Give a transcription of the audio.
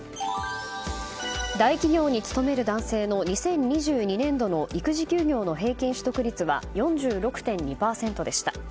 大企業に勤める男性の２０２２年度の育児休業の平均取得率は４６．２％でした。